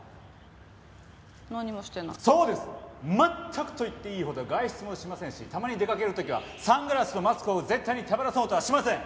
全くと言っていいほど外出もしませんしたまに出かける時はサングラスとマスクを絶対に手放そうとはしません。